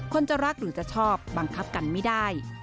จะรักหรือจะชอบบังคับกันไม่ได้